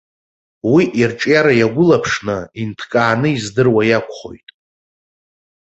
Уи ирҿиара иагәылаԥшны, инҭкааны издыруа иакәхоит.